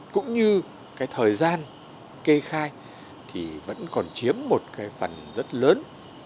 cũng như cái thời gian kê khai thì vẫn còn chiếm một cái phần rất lớn